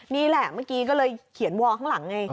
นี่แหละเมื่อกี้ก็เลยเขียนวอร์ข้างหลังไง